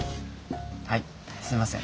はいすいません。